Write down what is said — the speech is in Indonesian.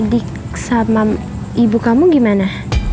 di sama ibu kamu gimana